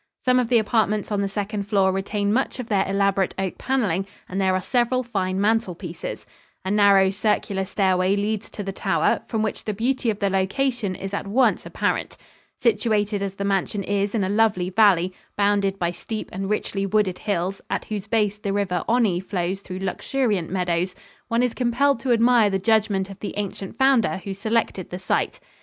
Some of the apartments on the second floor retain much of their elaborate oak paneling and there are several fine mantel pieces. A narrow, circular stairway leads to the tower, from which the beauty of the location is at once apparent. Situated as the mansion is in a lovely valley, bounded by steep and richly wooded hills at whose base the river Onny flows through luxuriant meadows, one is compelled to admire the judgment of the ancient founder who selected the site.